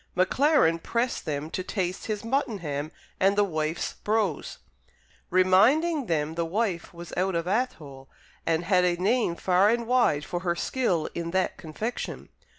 Maclaren pressed them to taste his muttonham and "the wife's brose," reminding them the wife was out of Athole and had a name far and wide for her skill in that confection.